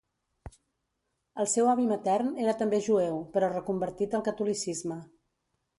El seu avi matern era també jueu, però reconvertit al catolicisme.